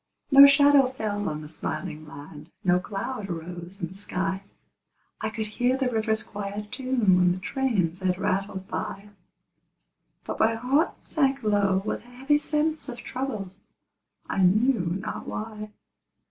No shadow fell on the smiling land, No cloud arose in the sky; I could hear the river's quiet tune When the trains had rattled by; But my heart sank low with a heavy sense Of trouble, I knew not why.